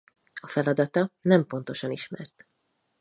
A feladata nem pontosan ismert.